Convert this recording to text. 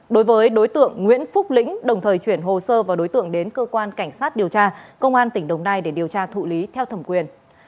đối với đối tượng nguyễn phúc lĩnh đồng thời chuyển hồ sơ và đối tượng đến cơ quan cảnh sát điều tra công an tỉnh đồng nai để điều tra thụ lý theo thẩm quyền